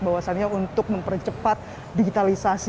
bahwasannya untuk mempercepat digitalisasi